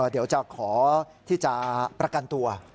เดี๋ยวจะขอที่จะประกันตัว